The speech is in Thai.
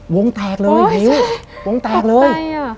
วงตากเลย